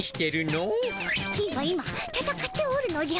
金は今たたかっておるのじゃ。